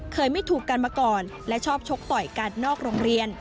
ไม่ถูกกันมาก่อนและชอบชกต่อยกันนอกโรงเรียน